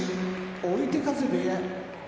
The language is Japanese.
追手風部屋